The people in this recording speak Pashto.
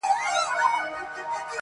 تازه هوا،